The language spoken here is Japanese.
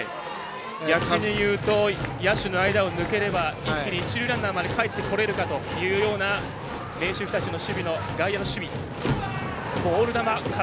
逆に言うと野手の間を抜ければ一気に一塁ランナーまでかえってこれるかというような明秀日立の外野の守備。